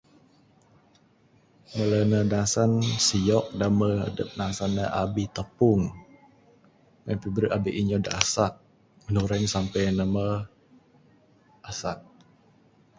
Melu ne dasan siyok da mbuh adup nasan ne da abih tapung. Mbuh en piberut abih inyok da asak. Ginoreng sampei ne mbuh asak.